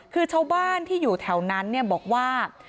คือชาวบ้านที่อยู่แถวนั้นบอกว่า